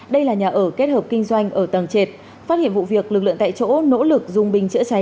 đây là nhà ở kết hợp kinh doanh ở tầng trệt phát hiện vụ việc lực lượng tại chỗ nỗ lực dùng bình chữa cháy